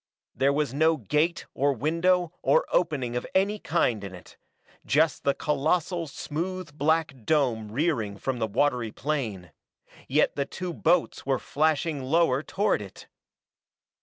There was no gate or window or opening of any kind in it. Just the colossal, smooth black dome rearing from the watery plain. Yet the two boats were flashing lower toward it.